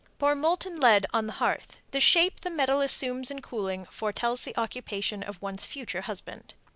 Pour molten lead on a hearth; the shape the metal assumes in cooling foretells the occupation of one's future husband.